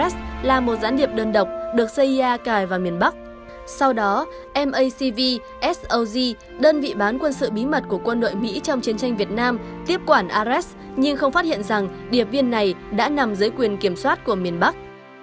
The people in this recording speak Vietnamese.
s o g đơn vị bán quân sự bí mật của quân đội mỹ trong chiến tranh việt nam tiếp quản ares nhưng không phát hiện rằng điệp viên này đã nằm dưới quyền kiểm soát của miền bắc